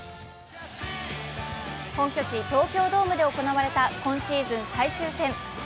本拠地・東京ドームで行われた今シーズン最終戦。